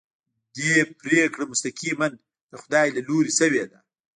دې پرېکړه مستقیماً د خدای له لوري شوې ده.